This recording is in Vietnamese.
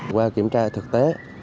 qua kiểm tra thực tế